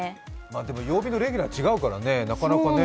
でも、曜日のレギュラー違うからね、なかなかね。